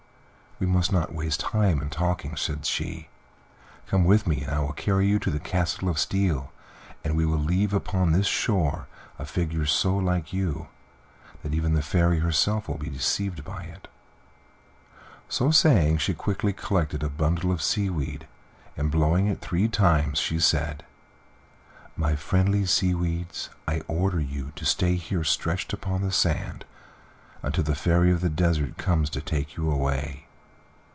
"We must not waste time in talking," said she. "Come with me and I will carry you to the Castle of Steel, and we will leave upon this shore a figure so like you that even the Fairy herself will be deceived by it." So saying, she quickly collected a bundle of sea weed, and, blowing it three times, she said: "My friendly sea weeds, I order you to stay here stretched upon the sand until the Fairy of the Desert comes to take you away."